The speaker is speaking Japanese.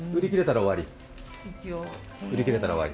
売り切れたら終わり？